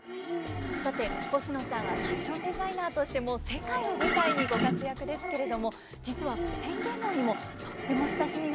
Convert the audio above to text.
さてコシノさんはファッションデザイナーとしても世界を舞台にご活躍ですけれども実は古典芸能にもとっても親しみがあるそうですね。